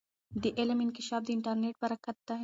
د علم انکشاف د انټرنیټ برکت دی.